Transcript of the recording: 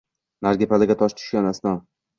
Narigi pallaga tosh tushgan asno!